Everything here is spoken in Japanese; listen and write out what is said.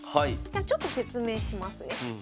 じゃあちょっと説明しますね。